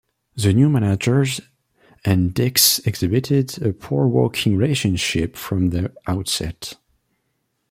The new manager and Dicks exhibited a poor working relationship from the outset.